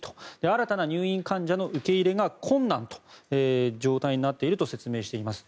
新たな入院患者の受け入れが困難な状態になっていると説明しています。